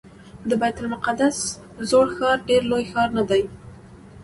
د بیت المقدس زوړ ښار ډېر لوی ښار نه دی.